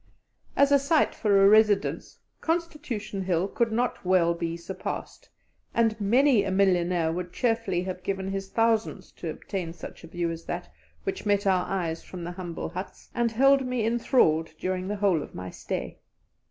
As a site for a residence Constitution Hill could not well be surpassed, and many a millionaire would cheerfully have given his thousands to obtain such a view as that which met our eyes from the humble huts, and held me enthralled during the whole of my stay.